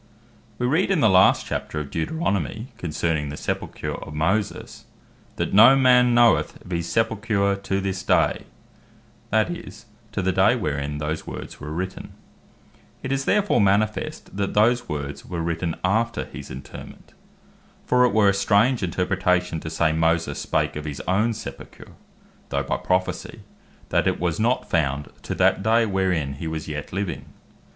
We read in the last Chapter of Deuteronomie, Ver. 6. concerning the sepulcher of Moses, "that no man knoweth of his sepulcher to this day," that is, to the day wherein those words were written. It is therefore manifest, that those words were written after his interrement. For it were a strange interpretation, to say Moses spake of his own sepulcher (though by Prophecy), that it was not found to that day, wherein he was yet living.